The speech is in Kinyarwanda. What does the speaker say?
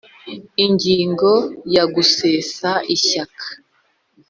Ingingo ya Gusesa Ishyaka